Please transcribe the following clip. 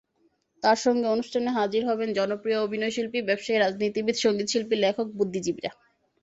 তাঁর সঙ্গে অনুষ্ঠানে হাজির হবেন জনপ্রিয় অভিনয়শিল্পী, ব্যবসায়ী, রাজনীতিবিদ, সংগীতশিল্পী, লেখক, বুদ্ধিজীবীরা।